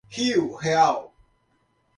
Rio Real